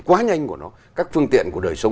quá nhanh của nó các phương tiện của đời sống